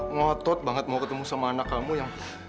ngotot banget mau ketemu sama anak kamu yang